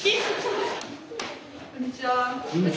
こんにちは！